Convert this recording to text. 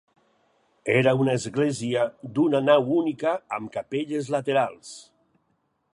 Era una església d'una nau única amb capelles laterals.